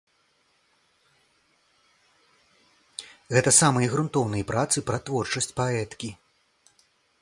Гэта самыя грунтоўныя працы пра творчасць паэткі.